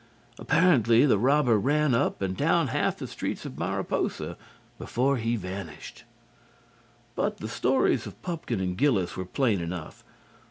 Apparently the robber ran up and down half the streets of Mariposa before he vanished. But the stories of Pupkin and Gillis were plain enough.